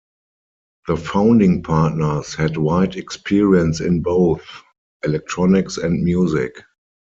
The founding partners had wide experience in both electronics and music.